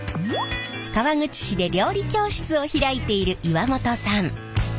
川口市で料理教室を開いている岩本さん。